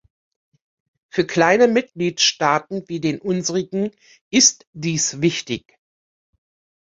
Für kleine Mitgliedstaaten wie den unsrigen ist dies wichtig.